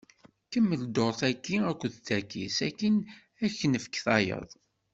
Kemmel dduṛt-agi akked tagi, sakin ad k-nefk tayeḍ.